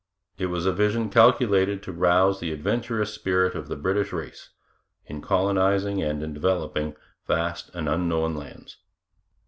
It was a vision calculated to rouse the adventurous spirit of the British race in colonizing and in developing vast and unknown lands.